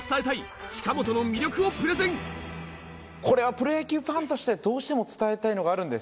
プロ野球ファンとしてどうしても伝えたいのがあるんです。